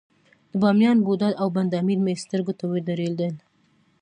د بامیانو بودا او بند امیر مې سترګو ته ودرېدل.